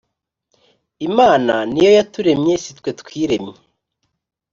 Imana ni yo yaturemye si twe twiremye